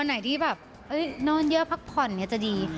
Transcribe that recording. วันไหนที่แบบนอนเยอะพักผ่อนเนี่ยจะดี